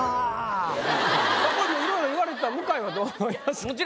いろいろ言われた向井はどう思いますか？